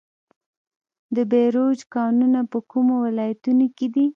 د بیروج کانونه په کومو ولایتونو کې دي؟